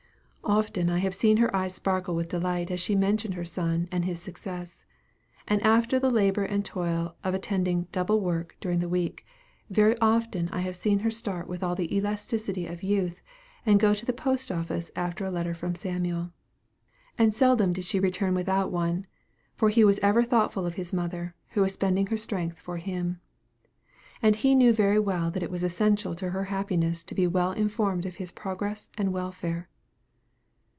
Often have I seen her eyes sparkle with delight as she mentioned her son and his success. And after the labor and toil of attending "double work" during the week, very often have I seen her start with all the elasticity of youth, and go to the Post Office after a letter from Samuel. And seldom did she return without one, for he was ever thoughtful of his mother, who was spending her strength for him. And he knew very well that it was essential to her happiness to be well informed of his progress and welfare.